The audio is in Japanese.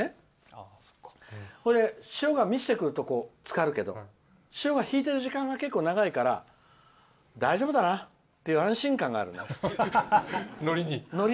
それで、潮が満ちてくると漬かるけど潮が引いてる時間が結構長いから大丈夫だなっていう安心感があるの、のりに。